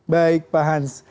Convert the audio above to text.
baik pak hans